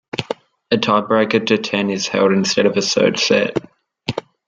A tiebreaker to ten is held instead of a third set.